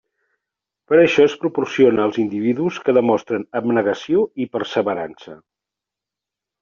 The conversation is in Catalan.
Per això, es proporciona als individus que demostren abnegació i perseverança.